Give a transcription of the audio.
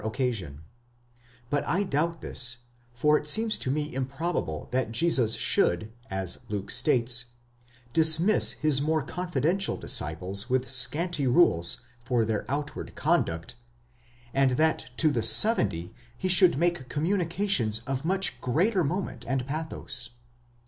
occasion ; but I doubt this, for it seems to me improbable that Jesus should, as Luke states, dismiss his more confidential disciples with scanty rules for their outward conduct, and that to the seventy he should make communica tions of much greater moment and pathos.